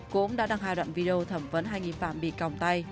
cũng đã đăng hai đoạn video thẩm vấn hai nghi phạm bị còng tay